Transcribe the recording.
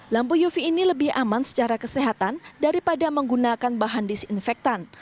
lampu uv ini lebih aman secara kesehatan daripada menggunakan bahan disinfektan